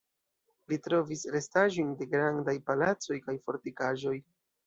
Li trovis restaĵojn de grandaj palacoj kaj fortikaĵoj.